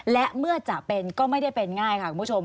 และเมื่อจะเป็นก็ไม่ได้เป็นง่ายค่ะคุณผู้ชม